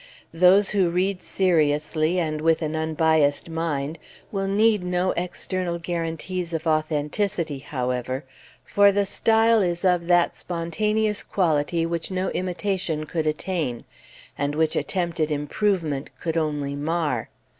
Those who read seriously, and with unbiased mind, will need no external guarantees of authenticity, however; for the style is of that spontaneous quality which no imitation could attain, and which attempted improvement could only mar.